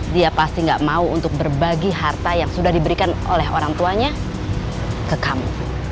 dia pasti gak mau untuk berbagi harta yang sudah diberikan oleh orang tuanya ke kamu